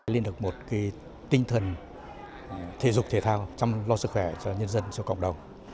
liên được một tinh thần thể dục thể thao chăm lo sức khỏe cho nhân dân cho cộng đồng